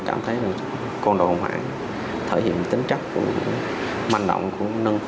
cảm thấy con đồ hồng hạng thể hiện tính chất của mình manh động của nưng